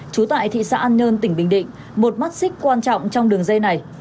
trú tại thị xã an nhơn tỉnh bình định một mắt xích quan trọng trong đường dây này